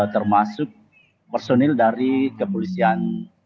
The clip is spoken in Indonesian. termasuk personil dari kepolisian